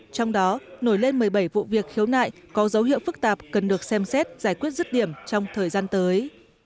trong đó nổi lên một mươi bảy vụ việc khiếu nại có dấu hiệu phức tạp cần được xem xét giải quyết rứt điểm trong thời gian tới